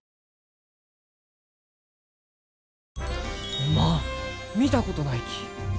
おまん見たことないき。